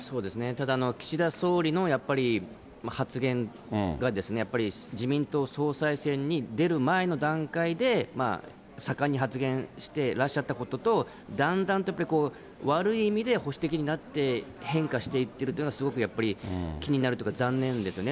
ただ岸田総理のやっぱり発言が、やっぱり自民党総裁選に出る前の段階で、盛んに発言してらっしゃったことと、だんだんと悪い意味で保守的になって変化していっているというのがすごくやっぱり、気になるというか、残念ですね。